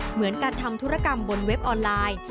เหมือนการทำธุรกรรมบนเว็บออนไลน์